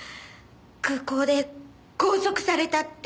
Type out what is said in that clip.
空港で拘束されたって。